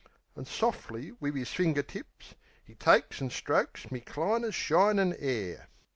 An' sof'ly wiv 'is finger tips, 'E takes an' strokes me cliner's shinin' 'air.